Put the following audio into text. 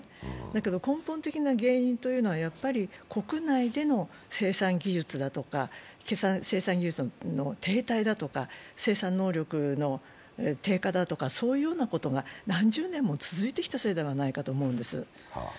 だけど根本的な原因というのは国内での生産技術の停滞だとか生産能力の低下だとかそういうことが何十年も続いてきたせいだと思うんです。